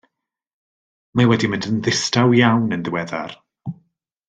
Mae wedi mynd yn ddistaw iawn yn ddiweddar.